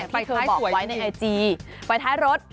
ที่เธอบอกไว้ในไอจีไปท้ายรถ